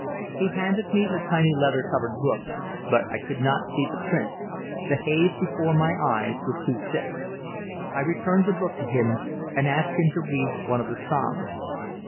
He handed me the tiny leather covered book, but I could not see the print; the haze before my eyes was too thick. I returned the book to him, and asked him to read one of the Psalms.